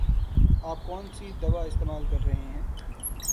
آپ کون سی دوا استعمال کر رہے ہیں؟